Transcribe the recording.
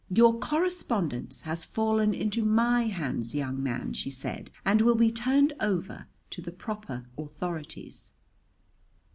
"Your correspondence has fallen into my hands, young man," she said, "and will be turned over to the proper authorities."